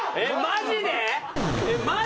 マジで？